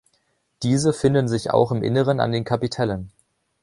Diese finden sich auch im Inneren an den Kapitellen.